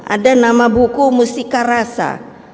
ada nama buku mustika rasa